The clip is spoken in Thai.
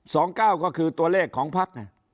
สองเก้าก็คือตัวเลขของพัก